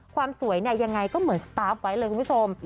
ความสวยเนี่ยยังไงก็เหมือนสตาร์ฟไว้เลยคุณผู้ชม